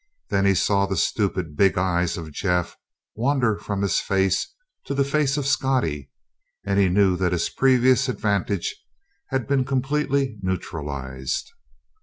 Then he saw the stupid, big eyes of Jeff wander from his face to the face of Scottie, and he knew that his previous advantage had been completely neutralized.